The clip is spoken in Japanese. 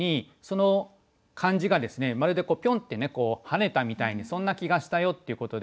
まるでピョンッてね跳ねたみたいにそんな気がしたよということで。